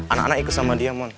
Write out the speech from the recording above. anak anak ikut sama dia